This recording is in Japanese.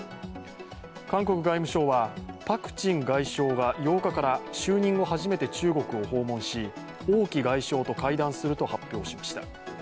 韓国外務省はパク・チン外相が８日から就任後初めて中国を訪問し、王毅外相と会談すると発表しました。